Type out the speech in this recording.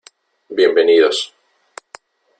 Bienvenidos.